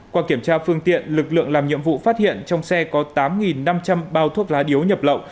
qua kiểm tra phương tiện lực lượng làm nhiệm vụ phát hiện trong xe có tám năm trăm linh bao thuốc lá điếu nhập lậu